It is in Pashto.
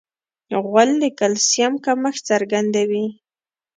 غول د کلسیم کمښت څرګندوي.